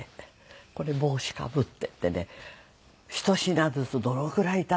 「これ帽子かぶって」ってねひと品ずつどのぐらいいただいたかな。